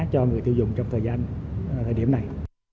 cho người tiêu dùng trong thời gian thời điểm này